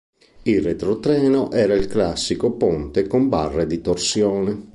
Il retrotreno era il classico ponte con barre di torsione.